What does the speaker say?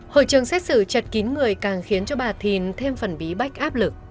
hồi trường xét xử chật kín người càng khiến cho bà thìn thêm phần bí bách áp lực